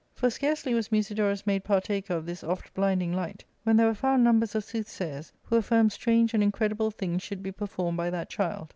For scarcely was Musidorus made partaker of this oft blinding light, when there were found numbers of soothsayers who affirmed strange and incredible things should be performed by that child.